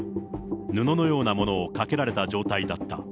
布のようなものをかけられた状態だった。